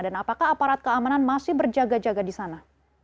dan apakah aparat keamanan masih berjaga jaga di sana